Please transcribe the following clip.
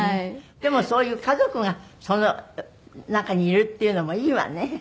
でもそういう家族がその中にいるっていうのもいいわね。